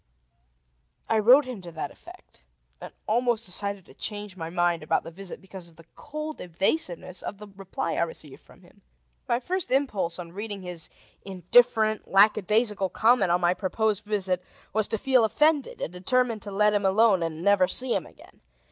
I wrote him to that effect, and almost decided to change my mind about the visit because of the cold evasiveness of the reply I received from him. My first impulse on reading his indifferent, lackadaisical comment on my proposed visit was to feel offended, and determine to let him alone and never see him again.